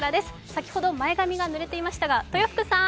先ほど前髪がぬれていましたが、豊福さん！